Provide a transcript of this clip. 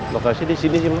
lokasi disini sih ma